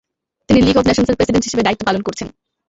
তিনি league of নেশন্সের president হিসাবে দায়িত্ব পালন করেছেন।